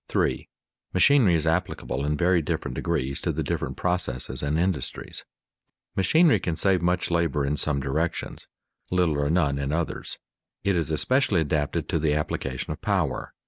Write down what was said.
[Sidenote: Increased use of power] 3. Machinery is applicable in very different degrees to the different processes and industries. Machinery can save much labor in some directions, little or none in others. It is especially adapted to the application of power.